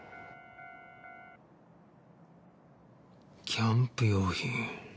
キャンプ用品。